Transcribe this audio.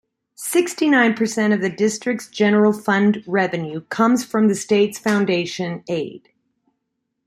Sixty-nine percent of the district's general fund revenue comes from the state's foundation aid.